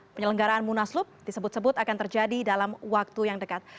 penyelenggaraan munaslup disebut sebut akan terjadi dalam waktu yang dekat